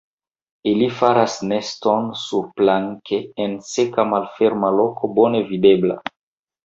Ili faras neston surplanke en seka malferma loko bone videbla.